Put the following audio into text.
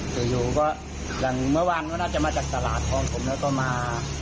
แต่อยู่ก็อย่างเมื่อวานก็น่าจะมาจากตลาดทองผมแล้วก็มา